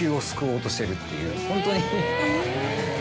ホントに。